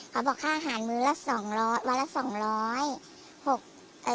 เขาบอกค่าอาหารมื้อละ๒๐๐วันละ๒๐๐บาท